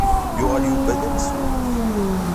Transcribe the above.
Yuɣal Yuba d ameslub.